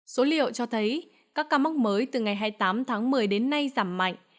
số liệu cho thấy các ca mắc mới từ ngày hai mươi tám tháng một mươi đến nay giảm mạnh